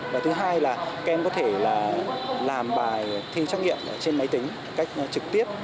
và thứ hai là các em có thể làm bài thi trắc nghiệm trên máy tính cách trực tiếp